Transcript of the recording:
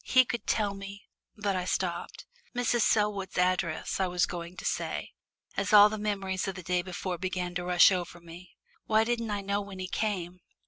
He could tell me " but I stopped. "Mrs. Selwood's address" I was going to say, as all the memories of the day before began to rush over me. "Why didn't I know when he came?"